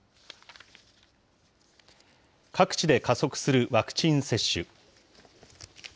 各地で加速するワクチン接種。